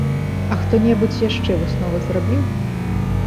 А хто-небудзь яшчэ высновы зрабіў?